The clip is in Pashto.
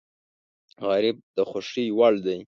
غریب د خوښۍ وړ دی